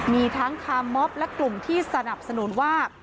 มีทั้งคาร์มอบและกลุ่มที่สนับสนุนว่า